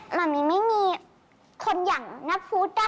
หม่ามีไม่มีคนอย่างนาพุธล่ะค่ะ